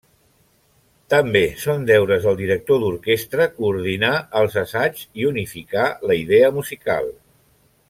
També són deures del director d'orquestra coordinar els assaigs i unificar la idea musical.